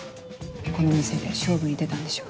この店で勝負に出たんでしょう。